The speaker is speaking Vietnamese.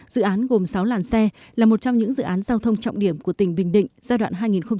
dự án gồm sáu làn xe là một trong những dự án giao thông trọng điểm của tỉnh bình định giai đoạn hai nghìn một mươi sáu hai nghìn hai mươi